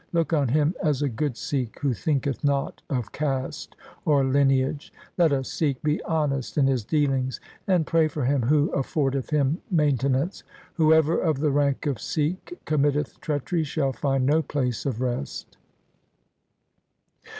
Look on him as a good Sikh who thinketh not of caste or lineage. Let a Sikh be honest in his dealings, and pray for him who affordeth him maintenance. Whoever of the rank of Sikh committeth treachery shall find no place of rest.